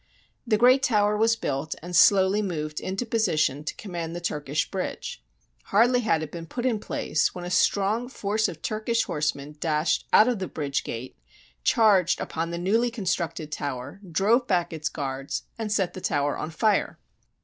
The great tower was built and slowly moved into position to command the Turkish bridge. Hardly had it been put in place when a strong force of Turkish horsemen dashed out of the bridge gate, charged upon the newly constructed tower, drove back its guards, and set the tower on fire.